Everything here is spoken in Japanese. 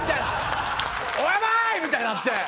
やばい！みたいになって。